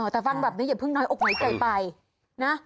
แต่ฟังแบบนี้อย่าเพิ่งน้อยอกน้อยใจไปนะ